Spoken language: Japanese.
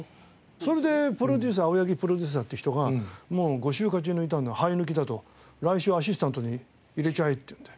それでプロデューサーアオヤギプロデューサーって人がもう５週勝ち抜いたんだ生え抜きだと来週アシスタントに入れちゃえって言って。